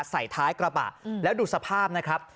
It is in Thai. ใส่ท้ายกระบะแล้วดูสภาพนะครับ